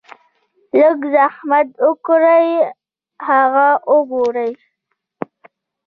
لږ زحمت اوکړئ هغه اوګورئ -